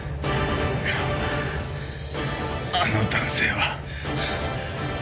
あの男性は？